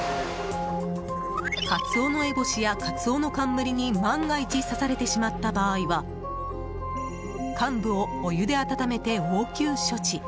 カツオノエボシやカツオノカンムリに万が一、刺されてしまった場合は患部をお湯で温めて応急処置。